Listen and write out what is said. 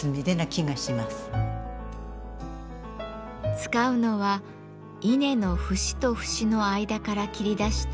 使うのは稲の節と節の間から切り出した